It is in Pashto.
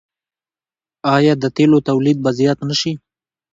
آیا د تیلو تولید به زیات نشي؟